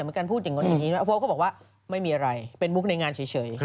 เหมือนกันพูดอย่างนั้นอย่างนี้โป๊บก็บอกว่าไม่มีอะไรเป็นบุ๊คในงานเฉย